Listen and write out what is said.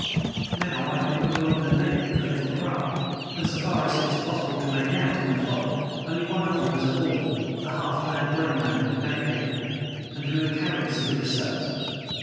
Now, I could look along the length of the little craft, and, so far as it was possible to make out in the fog, only one other was aboard the half clad brown man who navigated her and who had carried us through the cellars.